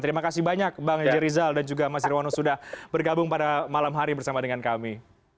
terima kasih banyak bang j rizal dan juga mas nirwono sudah bergabung pada malam hari bersama dengan kami